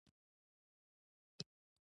څنګه کولی شم د میډجورني کار واخلم